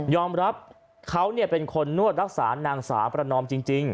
อมรับเขาเป็นคนนวดรักษานางสาวประนอมจริง